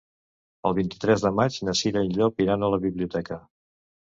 El vint-i-tres de maig na Cira i en Llop iran a la biblioteca.